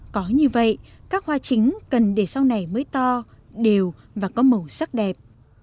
có như vậy các hoa chính cần để sau này mới to đều và có màu sắc đẹp